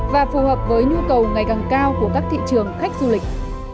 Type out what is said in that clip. và phù hợp với nhu cầu ngày càng cao của các thị trường khách du lịch